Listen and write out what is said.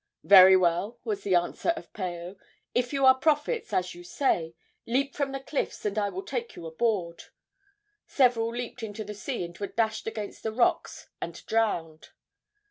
"Very well," was the answer of Paao; "if you are prophets, as you say, leap from the cliffs and I will take you aboard." Several leaped into the sea and were dashed against the rocks and drowned.